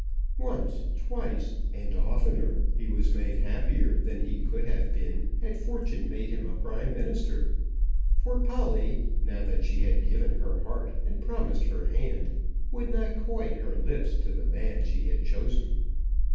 Once, twice, and oftener he was made happier than he could have been had fortune made him a Prime Minister. For Polly, now that she had given her heart and promised her hand, would not coy her lips to the man she had chosen.